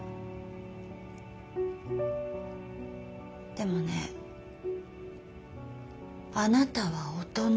でもねあなたは大人私も大人。